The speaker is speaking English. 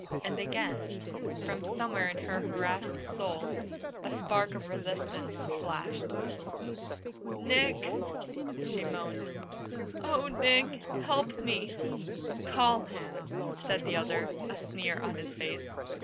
And again, from somewhere in her harassed soul, a spark of resistance flashed. "Nick!" she moaned. "Oh, Nick! Help me!" "Call him!" said the other, a sneer on his face.